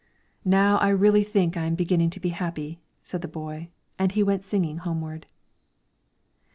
"Now I really think I am beginning to be happy," said the boy, and went singing homeward.